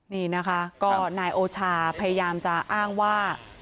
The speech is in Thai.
นี่นะคะก็นายโอชาพยายามจะอ้างว่า